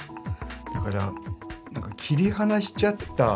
だから切り離しちゃった